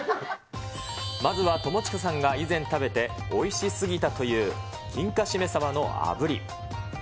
まずは友近さんが以前食べておいしすぎたという、金華しめさばの炙り。